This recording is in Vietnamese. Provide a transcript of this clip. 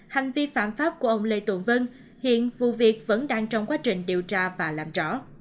hành vi phạm pháp của ông lê tuấn vân hiện vụ việc vẫn đang trong quá trình điều tra và làm rõ